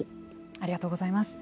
ありがとうございます。